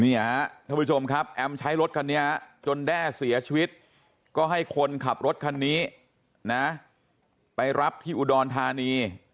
ท่านผู้ชมครับแอมใช้รถคันนี้จนแด้เสียชีวิตก็ให้คนขับรถคันนี้นะไปรับที่อุดรธานี